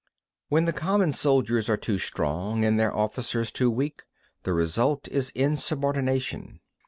16. When the common soldiers are too strong and their officers too weak, the result is insubordination.